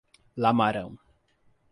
Lamarão